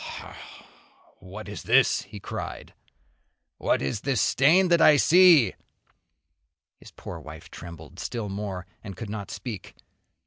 "Ha! what is this?" he cried, "what is this stain that I see!" His poor wife trembled still more, and could not speak.